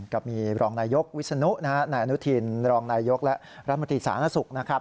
ก็มีรองนายยกวิศนุนะฮะนายอนุทินรองนายยกและรัฐมนตรีสาธารณสุขนะครับ